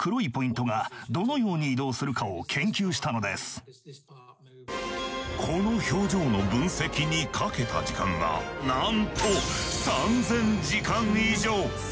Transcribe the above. そんなこの表情の分析にかけた時間はなんと３，０００時間以上！